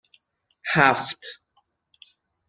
هفت